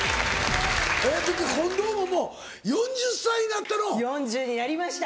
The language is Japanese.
びっくり近藤ももう４０歳になったの⁉４０になりました！